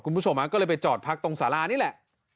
คุณผู้ชมก็เลยไปจอดพักตรงสารานี่แหละ